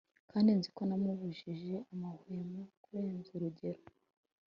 kandi nzi ko namubujije amahwemo kurenza urugero